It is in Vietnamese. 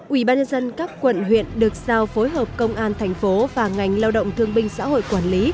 ủy ban nhân dân các quận huyện được giao phối hợp công an thành phố và ngành lao động thương binh xã hội quản lý